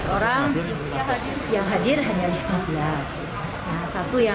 lima belas orang yang hadir hanya lima belas